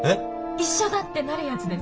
一緒だ！ってなるやつです。